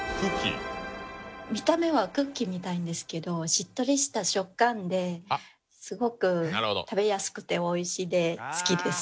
見た目はクッキーみたいですけどしっとりした食感ですごく食べやすくておいしいんで好きです。